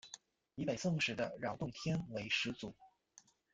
以北宋时的饶洞天为始祖。